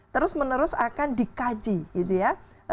terus menerus akan dikaji gitu ya